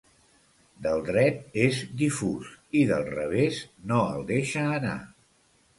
Del dret és difús i del revés, no el deixa anar.